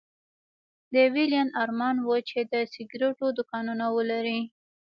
د ويلين ارمان و چې د سګرېټو دوکانونه ولري.